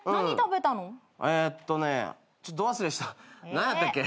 何やったっけ？